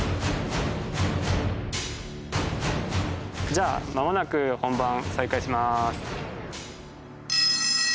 じゃあ間もなく本番再開します。